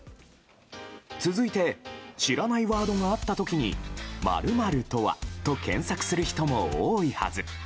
続いて知らないワードがあった時に○○とはと検索する人も多いはず。